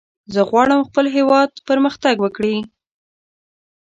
زه غواړم خپل هېواد پرمختګ وکړي.